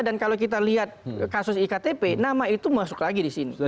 dan kalau kita lihat kasus iktp nama itu masuk lagi di sini